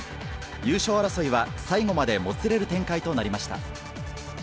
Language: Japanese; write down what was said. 優勝争いは、最後までもつれる展開となりました。